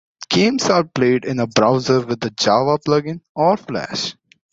Games are played in a browser with the Java-plugin or Flash.